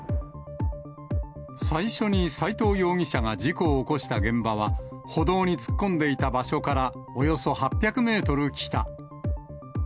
最初に斉藤容疑者が事故を起こした現場は、歩道に突っ込んでいた場所からおよそ８００メートル北。